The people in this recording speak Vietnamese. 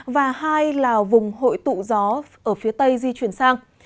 và hai là vùng hội tụ gió ở phía tây di chuyển sang